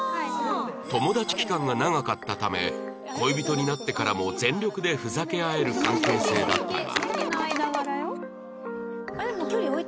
友達期間が長かったため恋人になってからも全力でふざけ合える関係性だったが